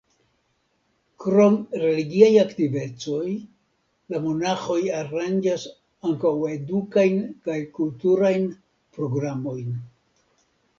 Krom religiaj aktivecoj la monaĥoj aranĝas ankaŭ edukajn kaj kulturajn programojn.